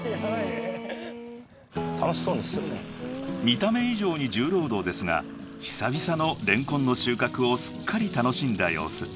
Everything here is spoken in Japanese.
［見た目以上に重労働ですが久々のレンコンの収穫をすっかり楽しんだ様子］